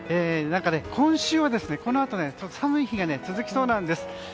今週はこのあと寒い日が続きそうなんです。